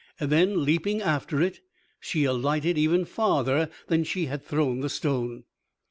Then, leaping after it, she alighted even farther than she had thrown the stone.